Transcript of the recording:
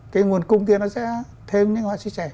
cái nguồn cung kia nó sẽ thêm những họa sĩ trẻ